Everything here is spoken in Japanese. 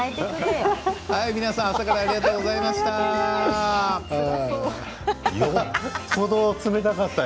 皆さん朝からありがとうございました。